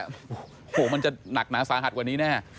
โอ้โหมันจะหนักหนาสาหัสกว่านี้แน่